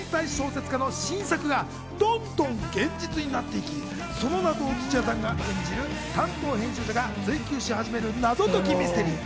天才小説家の新作がどんどん現実になっていき、その謎を土屋さん演じる担当編集者が追求し始める、謎解きミステリー。